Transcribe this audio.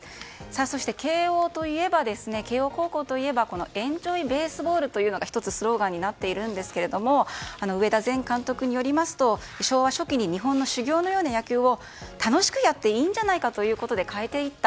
そして、慶應高校といえばエンジョイ・ベースボールがスローガンになっているんですが上田前監督によりますと昭和初期に日本の修行のような野球を楽しくやっていいんじゃないかということで変えていった。